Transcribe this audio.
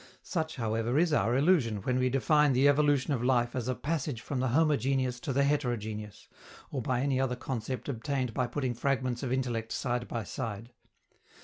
Such, however, is our illusion when we define the evolution of life as a "passage from the homogeneous to the heterogeneous," or by any other concept obtained by putting fragments of intellect side by side.